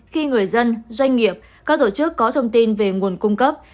khi người dân doanh nghiệp các tổ chức có thông tin về nguồn cung cấp